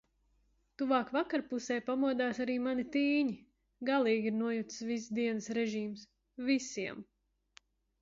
Tuvāk vakarpusei pamodās arī mani tīņi... galīgi ir nojucis viss dienas režīms. visiem.